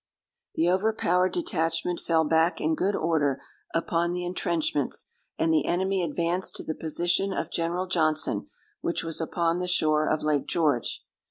The overpowered detachment fell back in good order upon the entrenchments, and the enemy advanced to the position of General Johnson, which was upon the shore of Lake George.